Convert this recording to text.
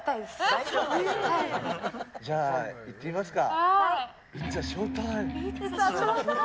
じゃあ、行ってみますか。